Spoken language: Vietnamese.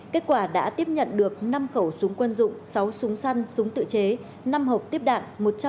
kết quả đã tiếp nhận được năm khẩu súng quân dụng sáu súng săn súng tự chế năm hộp tiếp đạn